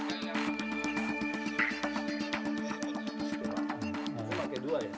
ini pakai dua ya